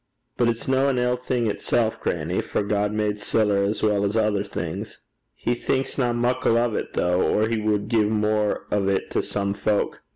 'But it's no an ill thing itsel', grannie; for God made siller as weel 's ither things.' 'He thinksna muckle o' 't, though, or he wad gie mair o' 't to some fowk.